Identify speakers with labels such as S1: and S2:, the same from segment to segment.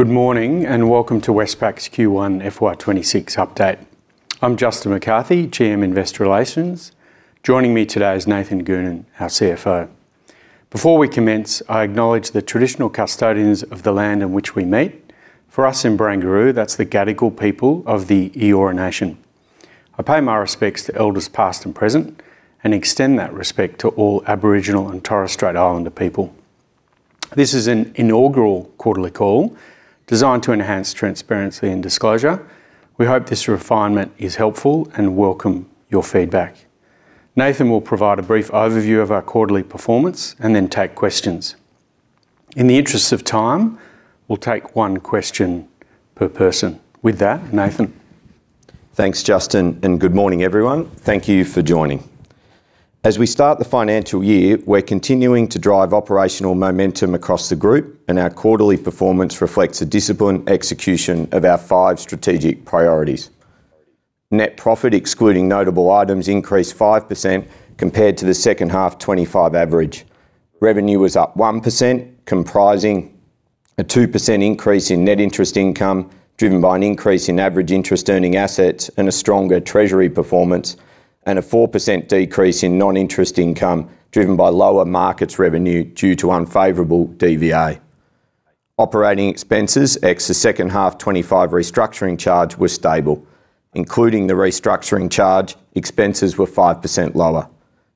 S1: Good morning, and welcome to Westpac's Q1 FY 2026 update. I'm Justin McCarthy, GM Investor Relations. Joining me today is Nathan Goonan, our CFO. Before we commence, I acknowledge the traditional custodians of the land in which we meet. For us in Barangaroo, that's the Gadigal people of the Eora Nation. I pay my respects to elders, past and present, and extend that respect to all Aboriginal and Torres Strait Islander people. This is an inaugural quarterly call designed to enhance transparency and disclosure. We hope this refinement is helpful and welcome your feedback. Nathan will provide a brief overview of our quarterly performance and then take questions. In the interest of time, we'll take one question per person. With that, Nathan.
S2: Thanks, Justin, and good morning, everyone. Thank you for joining. As we start the financial year, we're continuing to drive operational momentum across the group, and our quarterly performance reflects a disciplined execution of our five strategic priorities. Net profit, excluding notable items, increased 5% compared to the second half 2025 average. Revenue was up 1%, comprising a 2% increase in net interest income, driven by an increase in average interest earning assets and a stronger treasury performance, and a 4% decrease in non-interest income, driven by lower markets revenue due to unfavorable DVA. Operating expenses, ex the second half 2025 restructuring charge, were stable. Including the restructuring charge, expenses were 5% lower.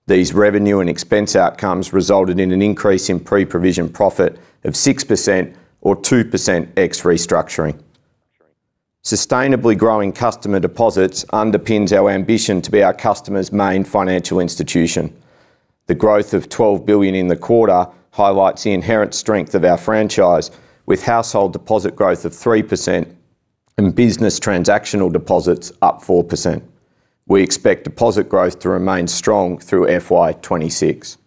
S2: These revenue and expense outcomes resulted in an increase in pre-provision profit of 6% or 2% ex restructuring. Sustainably growing customer deposits underpins our ambition to be our customers' main financial institution. The growth of AUD 12 billion in the quarter highlights the inherent strength of our franchise, with household deposit growth of 3% and business transactional deposits up 4%. We expect deposit growth to remain strong through FY 2026.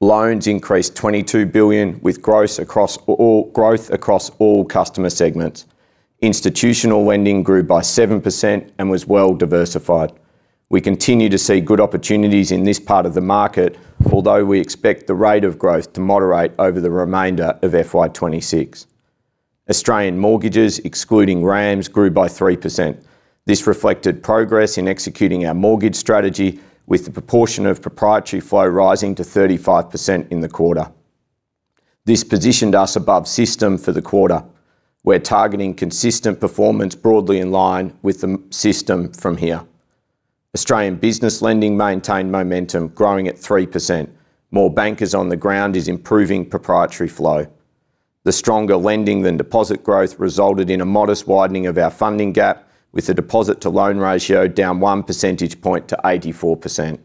S2: Loans increased 22 billion, with growth across all customer segments. Institutional lending grew by 7% and was well diversified. We continue to see good opportunities in this part of the market, although we expect the rate of growth to moderate over the remainder of FY 2026. Australian mortgages, excluding RAMS, grew by 3%. This reflected progress in executing our mortgage strategy, with the proportion of proprietary flow rising to 35% in the quarter. This positioned us above system for the quarter. We're targeting consistent performance broadly in line with the m- system from here. Australian business lending maintained momentum, growing at 3%. More bankers on the ground is improving proprietary flow. The stronger lending than deposit growth resulted in a modest widening of our funding gap, with the deposit-to-loan ratio down one percentage point to 84%.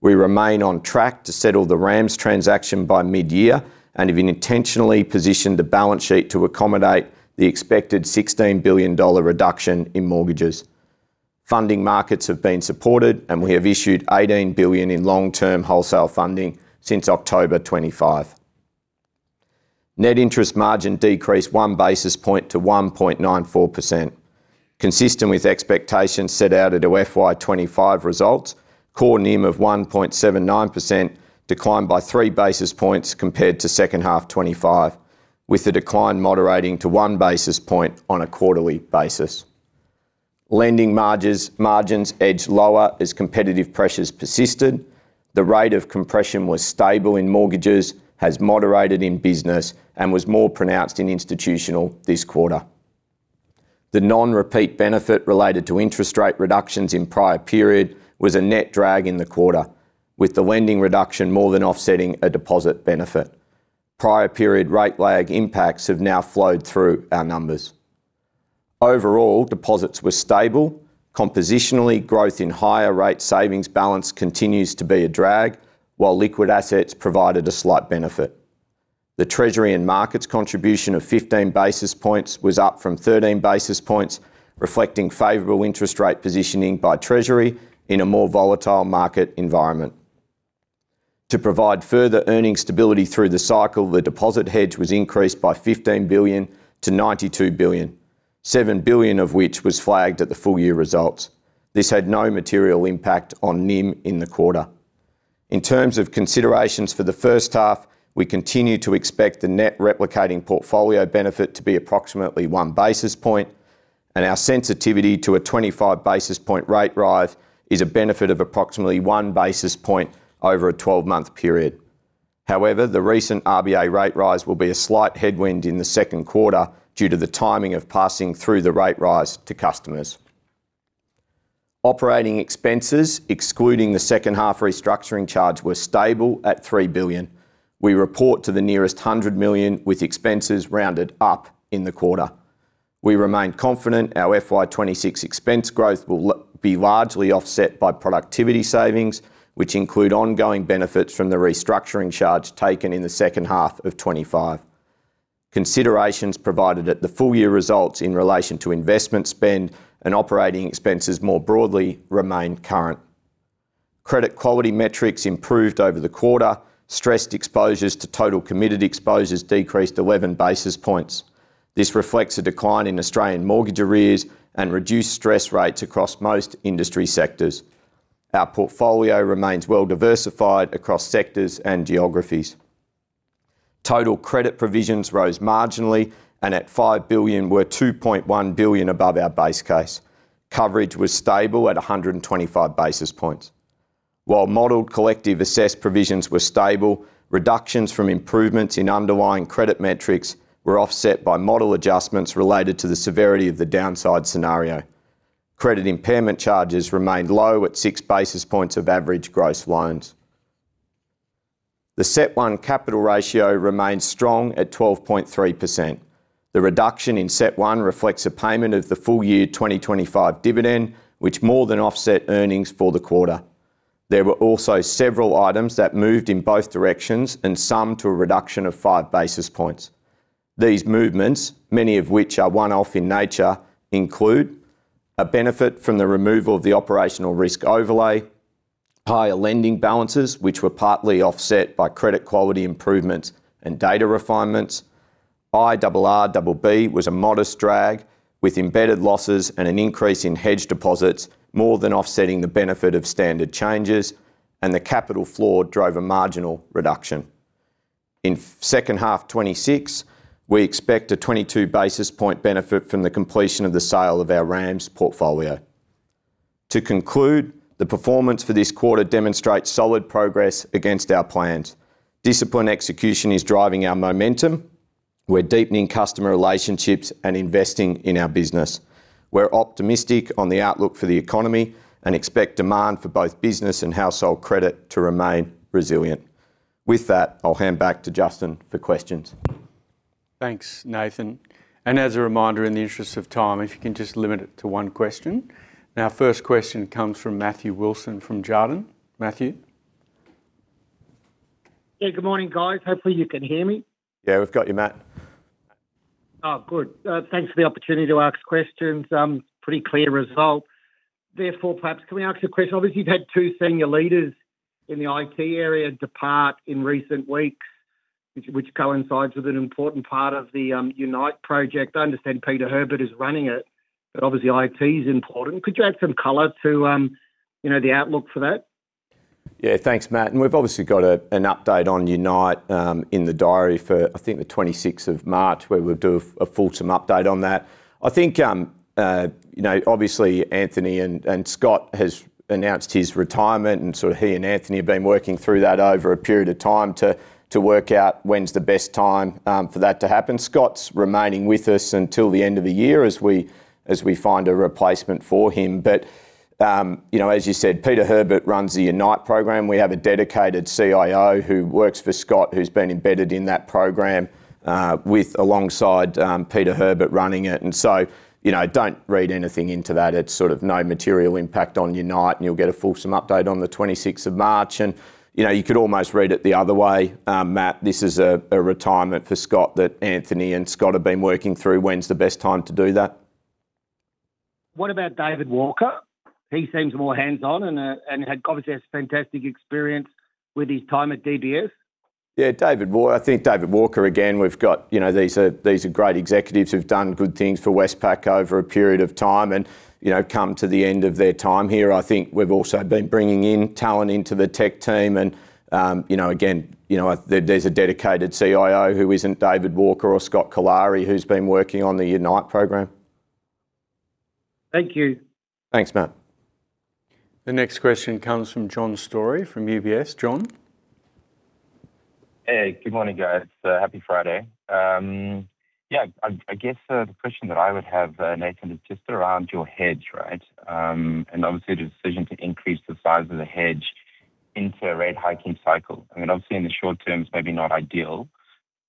S2: We remain on track to settle the RAMS transaction by mid-year and have intentionally positioned the balance sheet to accommodate the expected 16 billion dollar reduction in mortgages. Funding markets have been supported, and we have issued 18 billion in long-term wholesale funding since October 2025. Net interest margin decreased one basis point to 1.94%. Consistent with expectations set out at the FY 2025 results, core NIM of 1.79% declined by 3 basis points compared to second half 2025, with the decline moderating to 1 basis point on a quarterly basis. Lending margins edged lower as competitive pressures persisted. The rate of compression was stable in mortgages, has moderated in business, and was more pronounced in institutional this quarter. The non-repeat benefit related to interest rate reductions in prior period was a net drag in the quarter, with the lending reduction more than offsetting a deposit benefit. Prior period rate lag impacts have now flowed through our numbers. Overall, deposits were stable. Compositionally, growth in higher rate savings balance continues to be a drag, while liquid assets provided a slight benefit. The treasury and markets contribution of 15 basis points was up from 13 basis points, reflecting favorable interest rate positioning by treasury in a more volatile market environment. To provide further earning stability through the cycle, the deposit hedge was increased by 15 billion to 92 billion, 7 billion of which was flagged at the full year results. This had no material impact on NIM in the quarter. In terms of considerations for the first half, we continue to expect the net replicating portfolio benefit to be approximately 1 basis point, and our sensitivity to a 25 basis point rate rise is a benefit of approximately 1 basis point over a 12-month period. However, the recent RBA rate rise will be a slight headwind in the Q2 due to the timing of passing through the rate rise to customers. Operating expenses, excluding the second half restructuring charge, were stable at 3 billion. We report to the nearest 100 million, with expenses rounded up in the quarter. We remain confident our FY 2026 expense growth will be largely offset by productivity savings, which include ongoing benefits from the restructuring charge taken in the second half of 2025. Considerations provided at the full year results in relation to investment spend and operating expenses more broadly remain current. Credit quality metrics improved over the quarter. Stressed exposures to total committed exposures decreased 11 basis points. This reflects a decline in Australian mortgage arrears and reduced stress rates across most industry sectors. Our portfolio remains well diversified across sectors and geographies. Total credit provisions rose marginally, and at 5 billion were 2.1 billion above our base case. Coverage was stable at 125 basis points. While modeled collective assessed provisions were stable, reductions from improvements in underlying credit metrics were offset by model adjustments related to the severity of the downside scenario. Credit impairment charges remained low at 6 basis points of average gross loans. The CET1 capital ratio remains strong at 12.3%. The reduction in CET1 reflects a payment of the full year 2025 dividend, which more than offset earnings for the quarter. There were also several items that moved in both directions and some to a reduction of 5 basis points. These movements, many of which are one-off in nature, include: a benefit from the removal of the operational risk overlay, higher lending balances, which were partly offset by credit quality improvements and data refinements. IRRBB was a modest drag, with embedded losses and an increase in hedge deposits more than offsetting the benefit of standard changes, and the capital floor drove a marginal reduction. In second half 2026, we expect a 22 basis point benefit from the completion of the sale of our RAMS portfolio. To conclude, the performance for this quarter demonstrates solid progress against our plans. Disciplined execution is driving our momentum. We're deepening customer relationships and investing in our business. We're optimistic on the outlook for the economy and expect demand for both business and household credit to remain resilient. With that, I'll hand back to Justin for questions.
S1: Thanks, Nathan. And as a reminder, in the interest of time, if you can just limit it to one question. Now, first question comes from Matthew Wilson, from Jarden. Matthew?
S3: Yeah, good morning, guys. Hopefully, you can hear me.
S2: Yeah, we've got you, Matt.
S3: Oh, good. Thanks for the opportunity to ask questions. Pretty clear result. Therefore, perhaps, can we ask you a question? Obviously, you've had 2 senior leaders in the IT area depart in recent weeks, which coincides with an important part of the Unite project. I understand Peter Herbert is running it, but obviously, IT is important. Could you add some color to, you know, the outlook for that?
S2: Yeah, thanks, Matt, and we've obviously got an update on Unite in the diary for, I think, the 26th of March, where we'll do a fulsome update on that. I think, you know, obviously, Anthony and Scott has announced his retirement, and so he and Anthony have been working through that over a period of time to work out when's the best time for that to happen. Scott's remaining with us until the end of the year, as we find a replacement for him. But, you know, as you said, Peter Herbert runs the Unite program. We have a dedicated CIO, who works for Scott, who's been embedded in that program, alongside Peter Herbert running it, and so, you know, don't read anything into that. It's sort of no material impact on Unite, and you'll get a fulsome update on the 26th of March, and, you know, you could almost read it the other way, Matt. This is a retirement for Scott that Anthony and Scott have been working through, when's the best time to do that.
S3: What about David Walker? He seems more hands-on and, and had obviously has fantastic experience with his time at DBS.
S2: Yeah, David Walker, again, we've got, you know, these are, these are great executives who've done good things for Westpac over a period of time and, you know, come to the end of their time here. I think we've also been bringing in talent into the tech team and, you know, again, you know, there, there's a dedicated CIO who isn't David Walker or Scott Collary, who's been working on the Unite program.
S3: Thank you.
S2: Thanks, Matt.
S1: The next question comes from John Storey, from UBS. John?
S4: Hey, good morning, guys. Happy Friday. Yeah, I guess the question that I would have, Nathan, is just around your hedge, right? And obviously, the decision to increase the size of the hedge into a rate hiking cycle. I mean, obviously, in the short term is maybe not ideal,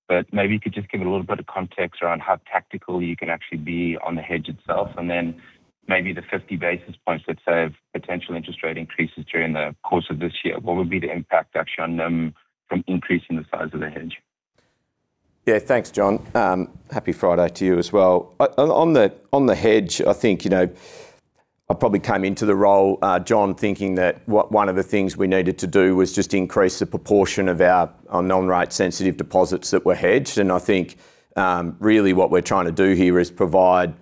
S4: but maybe you could just give a little bit of context around how tactical you can actually be on the hedge itself, and then maybe the 50 basis points, let's say, of potential interest rate increases during the course of this year. What would be the impact actually on from increasing the size of the hedge?
S2: Yeah, thanks, John. Happy Friday to you as well. On the hedge, I think, you know, I probably came into the role, John, thinking that one of the things we needed to do was just increase the proportion of our non-rate sensitive deposits that were hedged. And I think, really what we're trying to do here is provide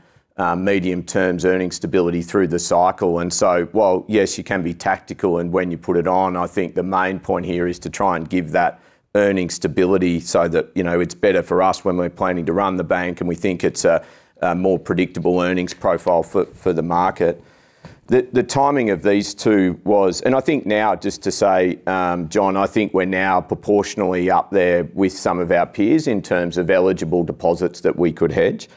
S2: medium-term earnings stability through the cycle, and so while, yes, you can be tactical and when you put it on, I think the main point here is to try and give that earning stability so that, you know, it's better for us when we're planning to run the bank, and we think it's a more predictable earnings profile for the market. The timing of these two was... And I think now, just to say, John, I think we're now proportionally up there with some of our peers in terms of eligible deposits that we could hedge.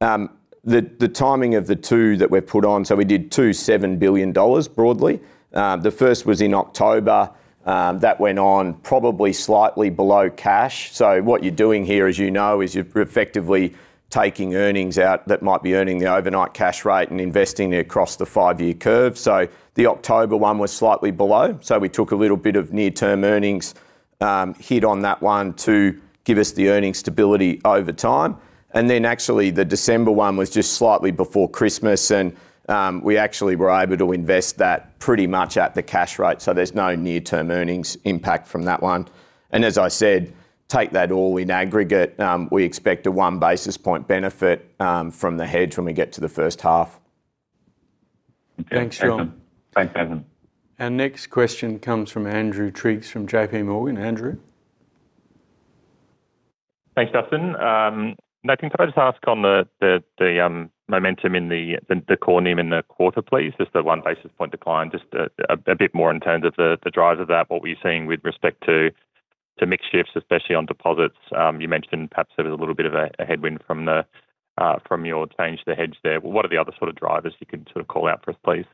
S2: The timing of the two that we've put on, so we did two 7 billion dollars broadly. The first was in October. That went on probably slightly below cash. So what you're doing here, as you know, is you're effectively taking earnings out that might be earning the overnight cash rate and investing it across the five-year curve. So the October one was slightly below, so we took a little bit of near-term earnings hit on that one to give us the earning stability over time. Then, actually, the December one was just slightly before Christmas, and we actually were able to invest that pretty much at the cash rate, so there's no near-term earnings impact from that one. And as I said, take that all in aggregate, we expect a one basis point benefit from the hedge when we get to the first half.
S1: Thanks, John.
S4: Thanks, Anthony.
S1: Our next question comes from Andrew Triggs from JP Morgan. Andrew?
S5: Thanks, Justin. Nathan, can I just ask on the momentum in the core NIM in the quarter, please? Just the one basis point decline, just a bit more in terms of the drivers of that, what we're seeing with respect to mix shifts, especially on deposits. You mentioned perhaps there was a little bit of a headwind from your change to the hedge there. What are the other sort of drivers you can sort of call out for us, please?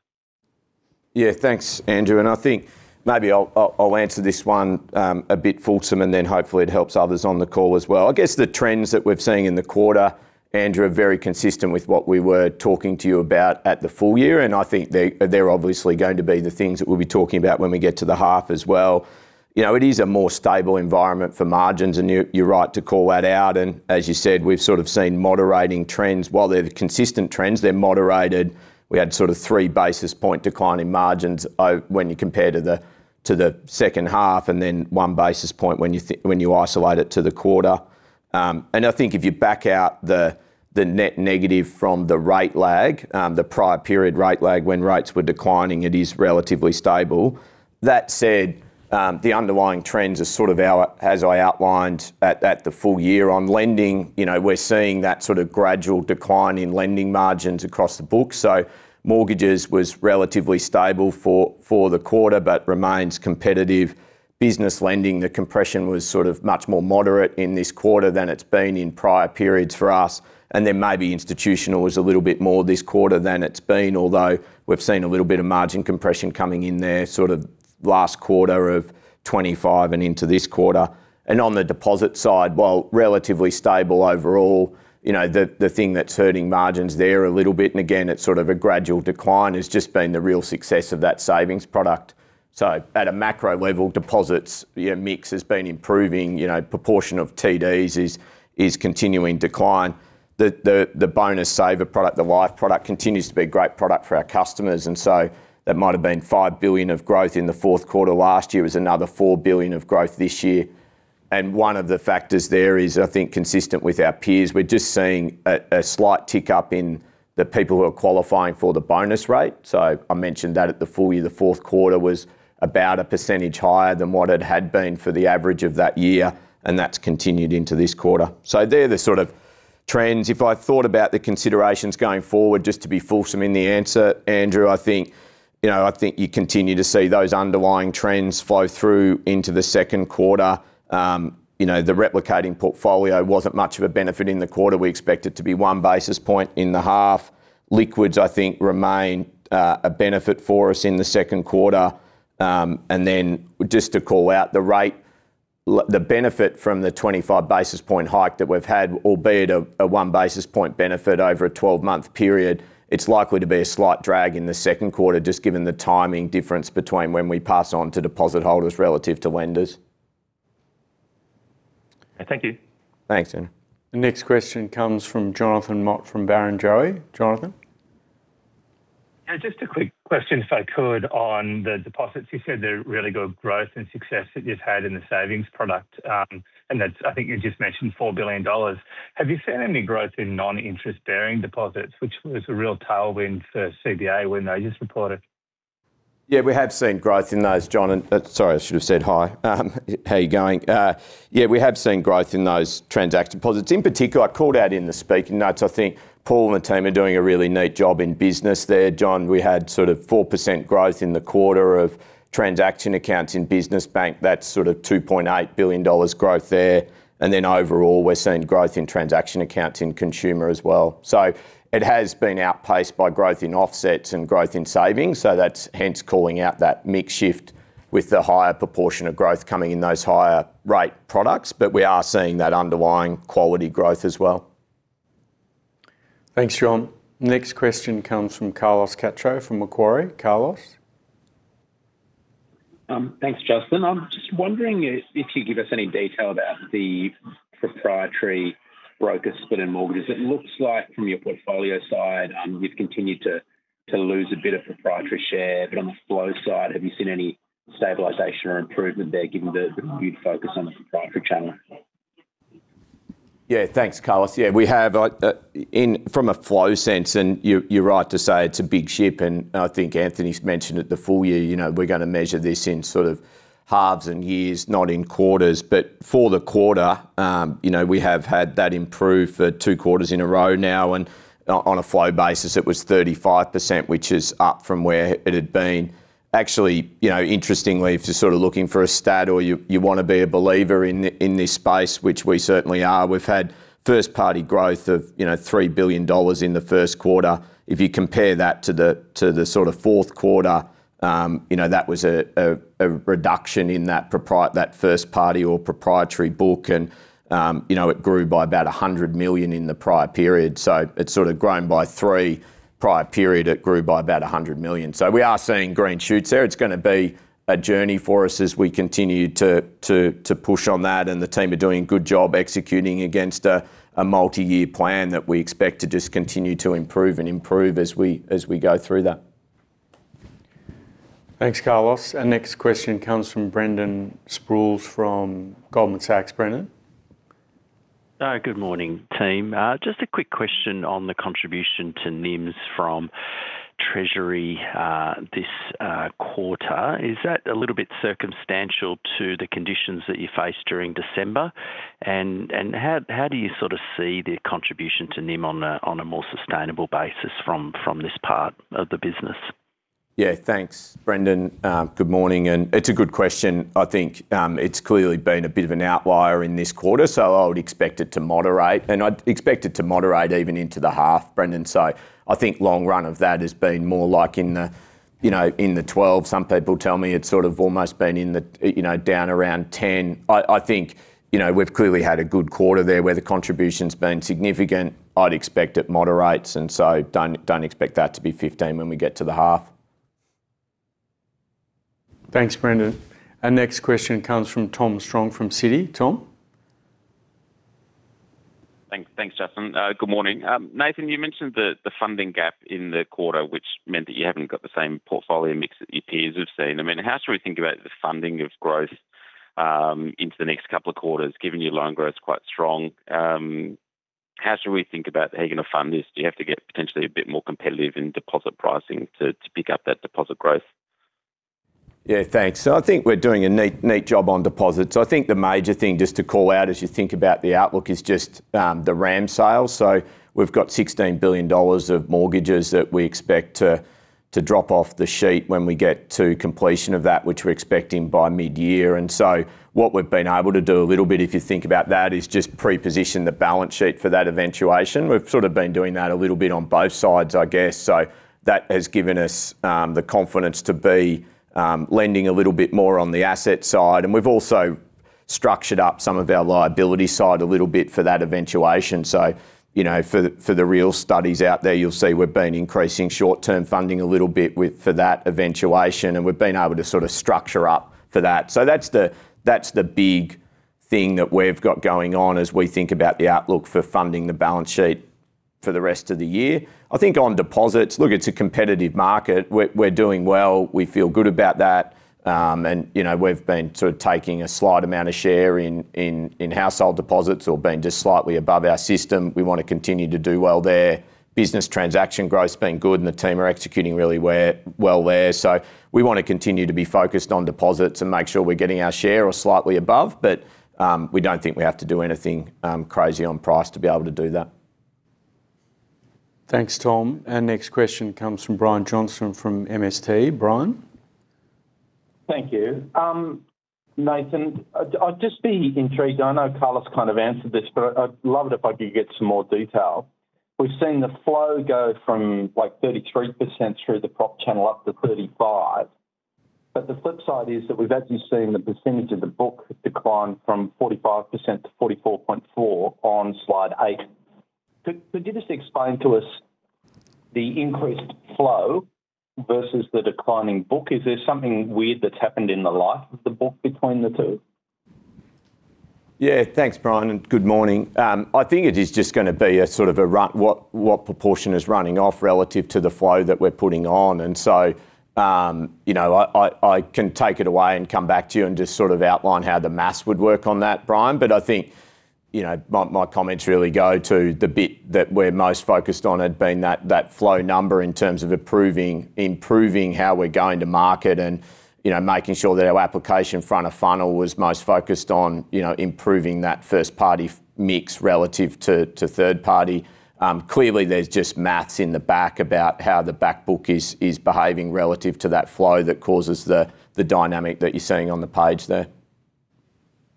S2: Yeah, thanks, Andrew, and I think maybe I'll answer this one a bit fulsome, and then hopefully it helps others on the call as well. I guess the trends that we've seen in the quarter, Andrew, are very consistent with what we were talking to you about at the full year, and I think they're obviously going to be the things that we'll be talking about when we get to the half as well. You know, it is a more stable environment for margins, and you're right to call that out. And as you said, we've sort of seen moderating trends. While they're consistent trends, they're moderated. We had sort of 3 basis point decline in margins, when you compare to the second half, and then 1 basis point when you isolate it to the quarter. And I think if you back out the, the net negative from the rate lag, the prior period rate lag, when rates were declining, it is relatively stable. That said, the underlying trends are sort of out, as I outlined at, at the full year. On lending, you know, we're seeing that sort of gradual decline in lending margins across the book. So mortgages was relatively stable for the quarter, but remains competitive. Business lending, the compression was sort of much more moderate in this quarter than it's been in prior periods for us. And then maybe institutional was a little bit more this quarter than it's been, although we've seen a little bit of margin compression coming in there, sort of last quarter of 2025 and into this quarter. On the deposit side, while relatively stable overall, you know, the thing that's hurting margins there a little bit, and again, it's sort of a gradual decline, has just been the real success of that savings product. So at a macro level, deposits, yeah, mix has been improving, you know, proportion of TDs is continuing decline. The Bonus Saver product, the Life product, continues to be a great product for our customers, and so there might have been 5 billion of growth in the Q4. Last year was another 4 billion of growth this year. And one of the factors there is, I think, consistent with our peers. We're just seeing a slight tick-up in the people who are qualifying for the bonus rate. So I mentioned that at the full year, the Q4 was about a percentage higher than what it had been for the average of that year, and that's continued into this quarter. So they're the sort of trends. If I thought about the considerations going forward, just to be fulsome in the answer, Andrew, I think, you know, I think you continue to see those underlying trends flow through into the Q2. You know, the replicating portfolio wasn't much of a benefit in the quarter. We expect it to be one basis point in the half. Liquids, I think, remain a benefit for us in the Q2. And then just to call out the rate, the benefit from the 25 basis point hike that we've had, albeit a one basis point benefit over a 12-month period, it's likely to be a slight drag in the Q2, just given the timing difference between when we pass on to deposit holders relative to lenders.
S5: Thank you.
S2: Thanks, Andrew.
S1: The next question comes from Jonathan Mott from Barrenjoey. Jonathan?
S6: Just a quick question, if I could, on the deposits. You said the really good growth and success that you've had in the savings product, and that's I think you just mentioned 4 billion dollars. Have you seen any growth in non-interest bearing deposits, which was a real tailwind for CBA when they just reported?
S2: Yeah, we have seen growth in those, John, and, sorry, I should have said hi. How are you going? Yeah, we have seen growth in those transaction deposits. In particular, I called out in the speaking notes, I think Paul and the team are doing a really neat job in business there, John. We had sort of 4% growth in the quarter of transaction accounts in business bank. That's sort of 2.8 billion dollars growth there, and then overall, we're seeing growth in transaction accounts in consumer as well. So it has been outpaced by growth in offsets and growth in savings, so that's hence calling out that mix shift with the higher proportion of growth coming in those higher rate products. But we are seeing that underlying quality growth as well.
S1: Thanks, John. Next question comes from Carlos Cacho, from Macquarie. Carlos?
S7: Thanks, Justin. I'm just wondering if you could give us any detail about the proprietary broker split and mortgages. It looks like from your portfolio side, you've continued to lose a bit of proprietary share, but on the flow side, have you seen any stabilization or improvement there, given the huge focus on the proprietary channel?
S2: Yeah, thanks, Carlos. Yeah, we have in from a flow sense, and you're right to say it's a big ship, and I think Anthony's mentioned at the full year, you know, we're gonna measure this in sort of halves and years, not in quarters. But for the quarter, you know, we have had that improve for two quarters in a row now, and on a flow basis, it was 35%, which is up from where it had been. Actually, you know, interestingly, if you're sort of looking for a stat or you want to be a believer in this space, which we certainly are, we've had first party growth of, you know, 3 billion dollars in the Q1. If you compare that to the sort of Q4, you know, that was a reduction in that first party or proprietary book, and you know, it grew by about 100 million in the prior period. So it's sort of grown by 300 million, prior period it grew by about 100 million. So we are seeing green shoots there. It's gonna be a journey for us as we continue to push on that, and the team are doing a good job executing against a multi-year plan that we expect to just continue to improve and improve as we go through that....
S1: Thanks, Carlos. Our next question comes from Brendan Sproules from Goldman Sachs. Brendan?
S8: Good morning, team. Just a quick question on the contribution to NIMS from Treasury this quarter. Is that a little bit circumstantial to the conditions that you faced during December? And how do you sort of see the contribution to NIM on a more sustainable basis from this part of the business?
S2: Yeah, thanks, Brendan. Good morning, and it's a good question. I think, it's clearly been a bit of an outlier in this quarter, so I would expect it to moderate, and I'd expect it to moderate even into the half, Brendan. So I think long run of that has been more like in the, you know, in the 12. Some people tell me it's sort of almost been in the, you know, down around 10. I think, you know, we've clearly had a good quarter there, where the contribution's been significant. I'd expect it moderates, and so don't expect that to be 15 when we get to the half.
S1: Thanks, Brendan. Our next question comes from Tom Strong, from Citi. Tom?
S9: Thanks. Thanks, Justin. Good morning. Nathan, you mentioned the funding gap in the quarter, which meant that you haven't got the same portfolio mix that your peers have seen. I mean, how should we think about the funding of growth into the next couple of quarters, given your loan growth is quite strong? How should we think about how you're going to fund this? Do you have to get potentially a bit more competitive in deposit pricing to pick up that deposit growth?
S2: Yeah, thanks. So I think we're doing a neat, neat job on deposits. So I think the major thing just to call out as you think about the outlook is just, the RAMS sales. So we've got 16 billion dollars of mortgages that we expect to drop off the sheet when we get to completion of that, which we're expecting by mid-year. And so what we've been able to do a little bit, if you think about that, is just pre-position the balance sheet for that eventuation. We've sort of been doing that a little bit on both sides, I guess. So that has given us, the confidence to be, lending a little bit more on the asset side. And we've also structured up some of our liability side a little bit for that eventuation. So, you know, for the real studies out there, you'll see we've been increasing short-term funding a little bit with... for that eventuation, and we've been able to sort of structure up for that. So that's the big thing that we've got going on as we think about the outlook for funding the balance sheet for the rest of the year. I think on deposits, look, it's a competitive market. We're doing well. We feel good about that. And, you know, we've been sort of taking a slight amount of share in household deposits or being just slightly above our system. We want to continue to do well there. Business transaction growth's been good, and the team are executing really well there. So we want to continue to be focused on deposits and make sure we're getting our share or slightly above, but, we don't think we have to do anything, crazy on price to be able to do that.
S1: Thanks, Tom. Our next question comes from Brian Johnson from MST. Brian?
S10: Thank you. Nathan, I'd just be intrigued. I know Carlos kind of answered this, but I'd love it if I could get some more detail. We've seen the flow go from, like, 33% through the prop channel up to 35%, but the flip side is that we've actually seen the percentage of the book decline from 45% to 44.4% on slide 8. Could you just explain to us the increased flow versus the declining book? Is there something weird that's happened in the Life of the book between the two?
S2: Yeah. Thanks, Brian, and good morning. I think it is just gonna be a sort of a run-off—what proportion is running off relative to the flow that we're putting on. And so, you know, I can take it away and come back to you and just sort of outline how the math would work on that, Brian. But I think, you know, my comments really go to the bit that we're most focused on had been that flow number in terms of approving, improving how we're going to market and, you know, making sure that our application front of funnel was most focused on, you know, improving that first party mix relative to third party. Clearly, there's just math in the back about how the back book is behaving relative to that flow that causes the dynamic that you're seeing on the page there.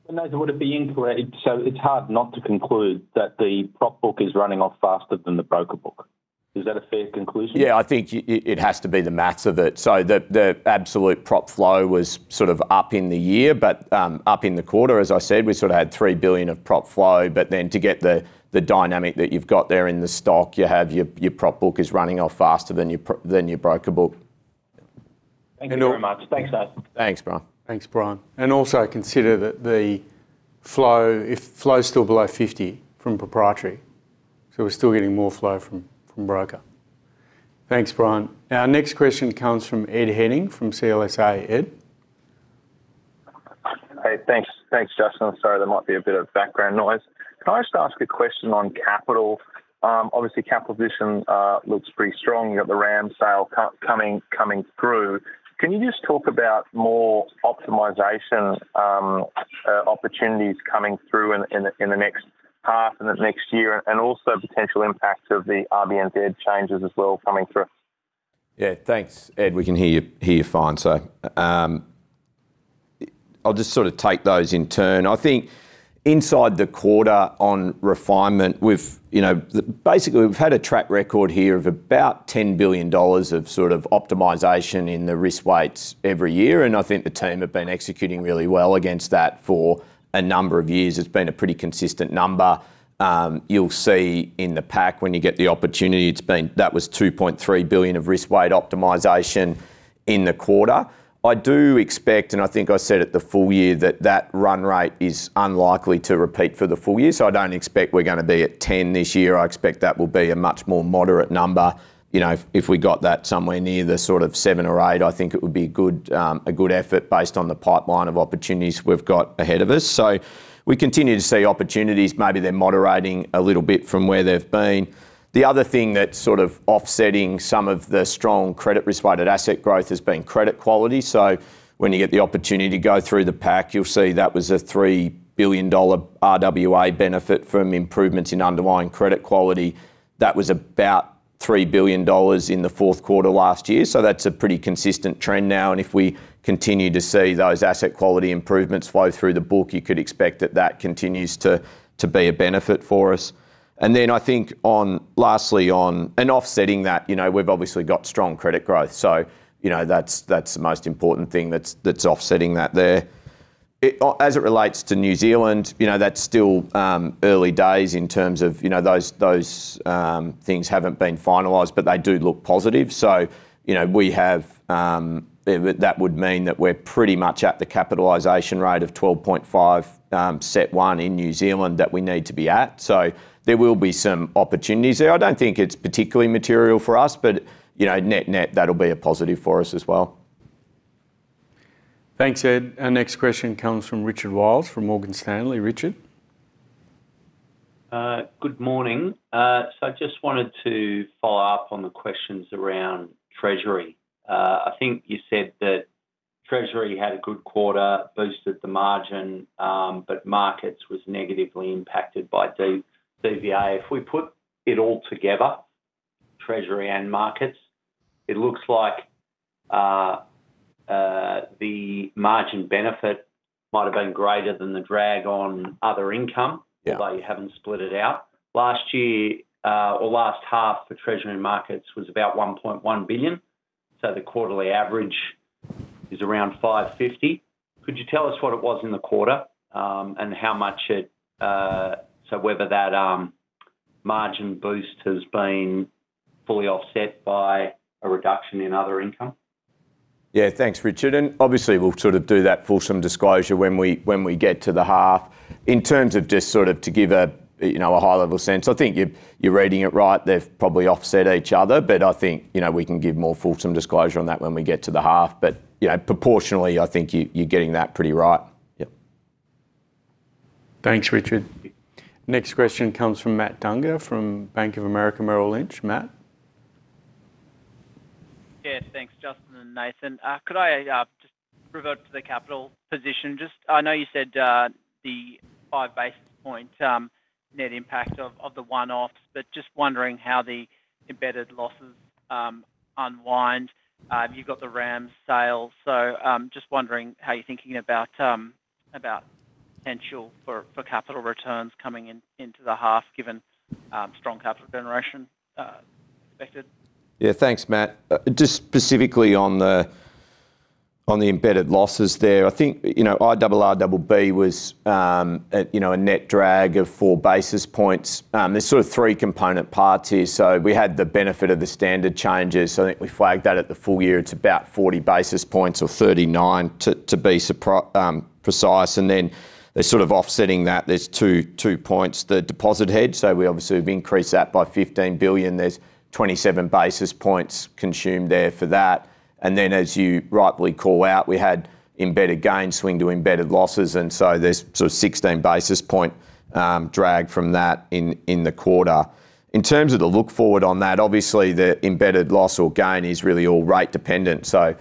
S10: And Nathan, would it be incorrect... So it's hard not to conclude that the prop book is running off faster than the broker book. Is that a fair conclusion?
S2: Yeah, I think it has to be the math of it. So the absolute prop flow was sort of up in the year, but up in the quarter, as I said, we sort of had 3 billion of prop flow. But then to get the dynamic that you've got there in the stock, you have your prop book is running off faster than your broker book.
S10: Thank you very much. Thanks, Nathan.
S2: Thanks, Brian.
S1: Thanks, Brian. And also consider that the flow, if flow is still below 50 from proprietary, so we're still getting more flow from, from broker. Thanks, Brian. Our next question comes from Ed Henning from CLSA. Ed?
S11: Hey, thanks. Thanks, Justin. Sorry, there might be a bit of background noise. Can I just ask a question on capital? Obviously, capital position looks pretty strong. You got the RAMS sale coming through. Can you just talk about more optimization opportunities coming through in the next half and the next year, and also potential impacts of the RBNZ changes as well coming through?
S2: Yeah. Thanks, Ed. We can hear you, hear you fine. So, I'll just sort of take those in turn. I think inside the quarter on refinement, we've... You know, basically, we've had a track record here of about 10 billion dollars of sort of optimization in the risk weights every year, and I think the team have been executing really well against that for a number of years. It's been a pretty consistent number. You'll see in the pack when you get the opportunity, it's been, that was 2.3 billion of risk-weighted optimization.... in the quarter. I do expect, and I think I said at the full year, that that run rate is unlikely to repeat for the full year. So I don't expect we're gonna be at 10 this year. I expect that will be a much more moderate number. You know, if we got that somewhere near the sort of 7 or 8, I think it would be good, a good effort based on the pipeline of opportunities we've got ahead of us. So we continue to see opportunities, maybe they're moderating a little bit from where they've been. The other thing that's sort of offsetting some of the strong credit risk-weighted asset growth has been credit quality. So when you get the opportunity to go through the pack, you'll see that was an 3 billion dollar RWA benefit from improvements in underlying credit quality. That was about 3 billion dollars in the Q4 last year, so that's a pretty consistent trend now. And if we continue to see those asset quality improvements flow through the book, you could expect that that continues to be a benefit for us. And then, lastly, on offsetting that, you know, we've obviously got strong credit growth. So, you know, that's the most important thing that's offsetting that there. As it relates to New Zealand, you know, that's still early days in terms of, you know, those things haven't been finalized, but they do look positive. So, you know, that would mean that we're pretty much at the capitalization rate of 12.5 CET1 in New Zealand that we need to be at. So there will be some opportunities there. I don't think it's particularly material for us, but, you know, net, that'll be a positive for us as well.
S1: Thanks, Ed. Our next question comes from Richard Wiles, from Morgan Stanley. Richard?
S12: Good morning. So I just wanted to follow up on the questions around treasury. I think you said that treasury had a good quarter, boosted the margin, but markets was negatively impacted by the CVA. If we put it all together, treasury and markets, it looks like the margin benefit might have been greater than the drag on other income-
S2: Yeah
S12: Although you haven't split it out. Last year, or last half for treasury markets was about 1.1 billion, so the quarterly average is around 550 million. Could you tell us what it was in the quarter, and how much it... So whether that margin boost has been fully offset by a reduction in other income?
S2: Yeah. Thanks, Richard, and obviously, we'll sort of do that fulsome disclosure when we get to the half. In terms of just sort of to give a, you know, a high-level sense, I think you're reading it right. They've probably offset each other, but I think, you know, we can give more fulsome disclosure on that when we get to the half. But, you know, proportionally, I think you're getting that pretty right. Yep.
S1: Thanks, Richard. Next question comes from Matt Dunger from Bank of America Merrill Lynch. Matt?
S13: Yeah, thanks, Justin and Nathan. Could I just revert to the capital position? Just, I know you said the five basis point net impact of the one-offs, but just wondering how the embedded losses unwind. You've got the RAMS sale, so just wondering how you're thinking about potential for capital returns coming in into the half, given strong capital generation expected.
S2: Yeah. Thanks, Matt. Just specifically on the embedded losses there, I think, you know, IRRBB was a net drag of 4 basis points. There's sort of three component parts here. So we had the benefit of the standard changes, so I think we flagged that at the full year. It's about 40 basis points or 39, to be precise. And then there's sort of offsetting that, there's two points, the deposit hedge. So we obviously have increased that by 15 billion. There's 27 basis points consumed there for that. And then, as you rightly call out, we had embedded gain swing to embedded losses, and so there's sort of 16 basis point drag from that in the quarter. In terms of the look forward on that, obviously, the embedded loss or gain is really all rate dependent. So,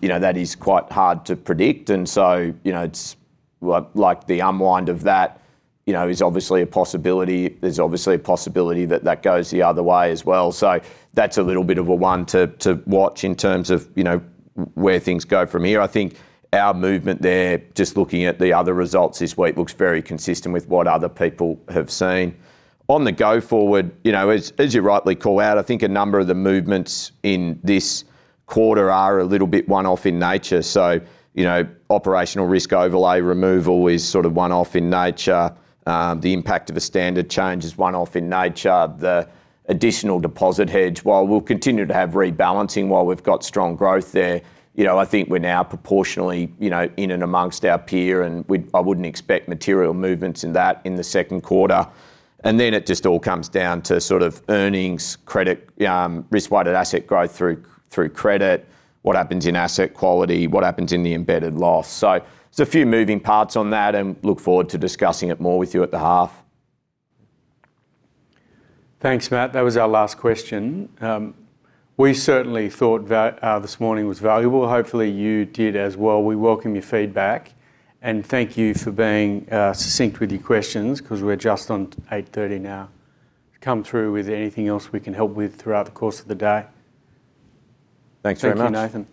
S2: you know, that is quite hard to predict. And so, you know, it's like the unwind of that, you know, is obviously a possibility. There's obviously a possibility that that goes the other way as well. So that's a little bit of a one to watch in terms of, you know, where things go from here. I think our movement there, just looking at the other results this week, looks very consistent with what other people have seen. On the go forward, you know, as you rightly call out, I think a number of the movements in this quarter are a little bit one-off in nature. So, you know, operational risk overlay removal is sort of one-off in nature. The impact of a standard change is one-off in nature. The additional deposit hedge, while we'll continue to have rebalancing while we've got strong growth there, you know, I think we're now proportionally, you know, in and amongst our peer, and we. I wouldn't expect material movements in that in the Q2. And then it just all comes down to sort of earnings, credit, risk-weighted asset growth through, through credit, what happens in asset quality, what happens in the embedded loss. So there's a few moving parts on that, and look forward to discussing it more with you at the half.
S1: Thanks, Matt. That was our last question. We certainly thought this morning was valuable. Hopefully, you did as well. We welcome your feedback, and thank you for being succinct with your questions, 'cause we're just on 8:30 A.M. now. Come through with anything else we can help with throughout the course of the day.
S2: Thanks very much.
S1: Thank you, Nathan.